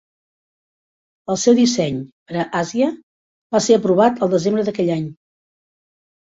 El seu disseny per a 'Asia' va ser aprovat el desembre d'aquell any.